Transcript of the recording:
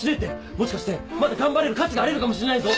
もしかしてまだ頑張れる価値があるかもしれねえぞ！